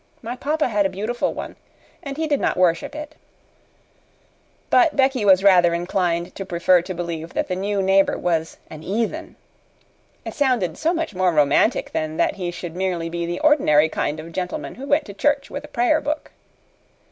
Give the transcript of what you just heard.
My papa had a beautiful one, and he did not worship it." But Becky was rather inclined to prefer to believe that the new neighbor was "an 'eathen." It sounded so much more romantic than that he should merely be the ordinary kind of gentleman who went to church with a prayer book.